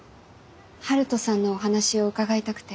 晴登さんのお話を伺いたくて。